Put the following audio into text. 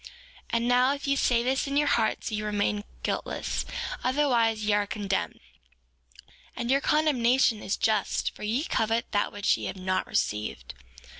4:25 And now, if ye say this in your hearts ye remain guiltless, otherwise ye are condemned; and your condemnation is just for ye covet that which ye have not received.